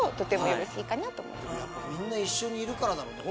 やっぱみんな一緒にいるからだろうね。